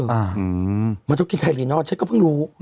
มันต้องกินไฮรีนอลฉันก็เพิ่งรู้